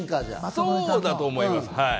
そうだと思います。